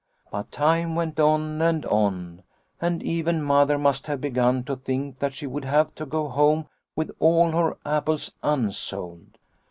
"But time went on and on, and even Mother must have begun to think that she would have to go home with all her apples unsold.